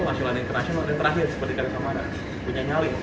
nasional dan internasional dan terakhir seperti di karyak samara punya nyali